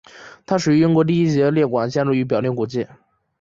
它属于英国第一级列管建筑与表定古迹。